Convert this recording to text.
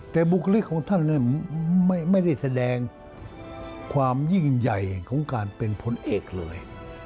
แต่บุคลิกของท่านไม่ได้แสดงความยิ่งใหญ่ของการเป็นพลเอกเลย